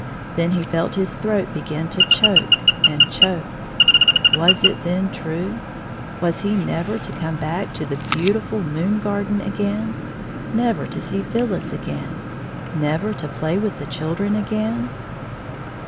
Then he felt his throat begin to choke and choke. Was it then true ? Was he never to come back to the beau 96 tiftil moon garden again ; never to see Phyllis again ; never to play with the children again